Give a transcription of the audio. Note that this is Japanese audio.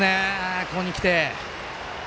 ここに来て。